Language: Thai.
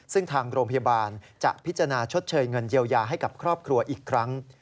ซึ่งทางโรงพยาบาลจะพิจารณาชดเชยเงินเยียวยาให้กับครอบครัวอีกครั้ง